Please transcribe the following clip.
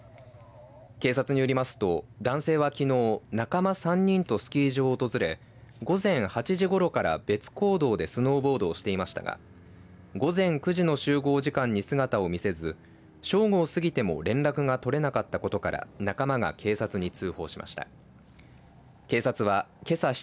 警察によりますと男性はきのう仲間３人とスキー場を訪れ午前８時ごろから別行動でスノーボードをしていましたが午前９時の集合時間に姿を見せず正午を過ぎても連絡が取れなかったことから仲間が警察に通報しました。